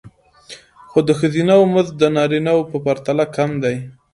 خو د ښځینه وو مزد د نارینه وو په پرتله کم دی